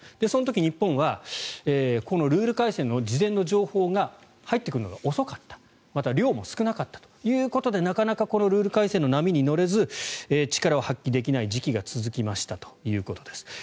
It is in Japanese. その時、日本はこのルール改正の事前の情報が入ってくるのが遅かったまた、量も少なかったということでなかなかルール改正の波に乗れず力を発揮できない時期が続きましたということです。